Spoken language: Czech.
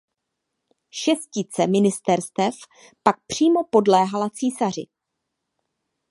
Šestice ministerstev pak přímo podléhala císaři.